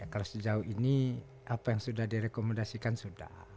kalau sejauh ini apa yang sudah direkomendasikan sudah